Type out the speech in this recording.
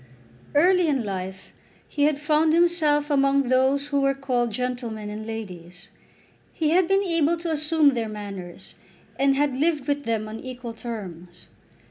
Early in life he had found himself among those who were called gentlemen and ladies. He had been able to assume their manners, and had lived with them on equal terms.